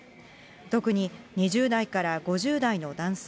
特に、２０代から５０代の男性、